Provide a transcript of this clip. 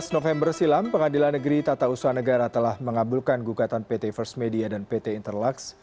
dua belas november silam pengadilan negeri tata usaha negara telah mengabulkan gugatan pt first media dan pt interlaks